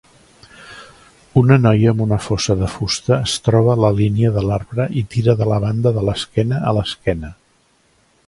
Una noia amb una fossa de fusta es troba a la línia de l'arbre i tira de la banda de l'esquena a l'esquena